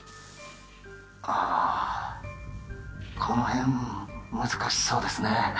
ああこのへん難しそうですね